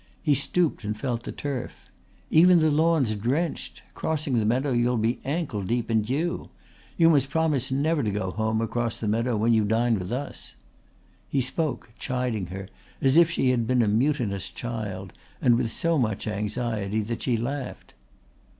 He stooped and felt the turf. "Even the lawn's drenched. Crossing the meadow you'll be ankle deep in dew. You must promise never to go home across the meadow when you dine with us." He spoke, chiding her as if she had been a mutinous child, and with so much anxiety that she laughed.